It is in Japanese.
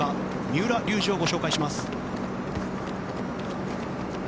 三浦龍司をご紹介します。